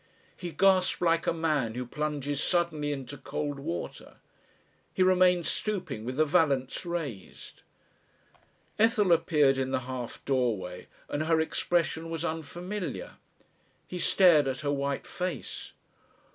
He gasped like a man who plunges suddenly into cold water. He remained stooping with the valence raised. Ethel appeared in the half doorway and her, expression was unfamiliar. He stared at her white face.